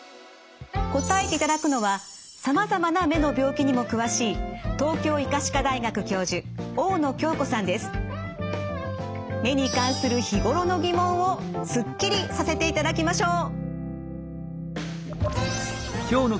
答えていただくのはさまざまな目の病気にも詳しい目に関する日頃の疑問をすっきりさせていただきましょう。